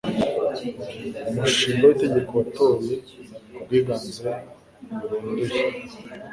Umushinga w’itegeko watowe ku bwiganze burunduye.